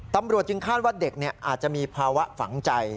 ตำรวจจึงคาดว่าเด็กอาจจะมีภาวะฝังใจ